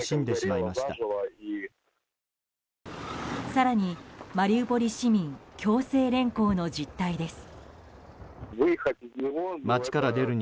更にマリウポリ市民強制連行の実態です。